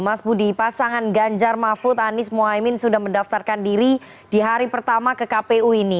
mas budi pasangan ganjar mahfud anies mohaimin sudah mendaftarkan diri di hari pertama ke kpu ini